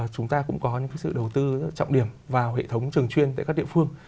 chúng ta cũng có những sự đầu tư trọng điểm vào hệ thống trường chuyên tại các địa phương